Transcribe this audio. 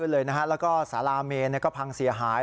แล้วก็สาราเมนก็พังเสียหาย